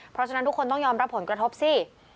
เพราะฉะนั้นทุกคนต้องยอมรับผลกระทบสิ